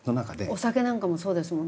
お酒なんかもそうですもんね